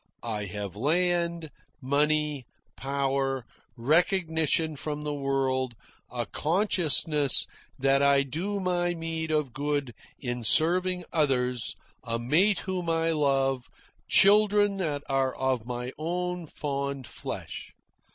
I have land, money, power, recognition from the world, a consciousness that I do my meed of good in serving others, a mate whom I love, children that are of my own fond flesh.